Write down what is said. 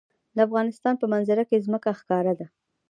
د افغانستان په منظره کې ځمکه ښکاره ده.